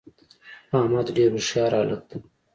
احمدډیرهوښیارهلک ده